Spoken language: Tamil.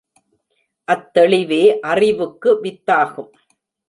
அத் தெளிவே அறிவுக்கு வித்தாகும்.